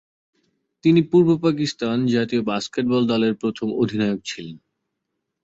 তিনি পূর্ব পাকিস্তান জাতীয় বাস্কেটবল দলের প্রথম অধিনায়ক ছিলেন।